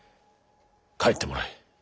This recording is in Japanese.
帰ってもらえ。